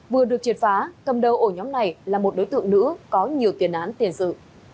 vừa được triệt phá cầm đầu ổ nhóm này là một đối tượng nữ có nhiều tiền án tiền sự